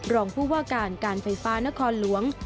รองผู้ว่าการการไฟฟ้านครหลวง